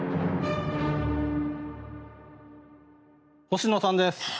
星野さんです。